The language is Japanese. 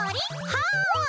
はい！